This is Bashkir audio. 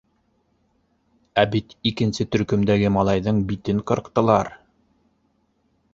Ә бит икенсе төркөмдәге малайҙың битен ҡырҡтылар.